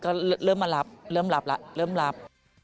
ก็เริ่มมารับเริ่มรับแล้วเริ่มรับ